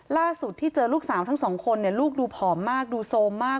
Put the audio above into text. ล่าสุดที่เจอลูกสาวทั้งสองคนเนี่ยลูกดูผอมมากดูโซมมาก